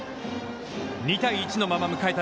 ２対１のまま迎えた